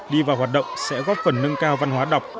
đi vào hoạt động sẽ góp phần nâng cao văn hóa đọc